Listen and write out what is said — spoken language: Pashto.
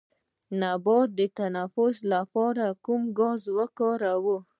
نباتات د تنفس لپاره کوم ګاز کاروي